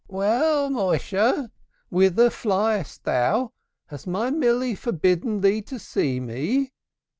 "Well, Méshe, whither fliest thou? Has my Milly forbidden thee to see me?"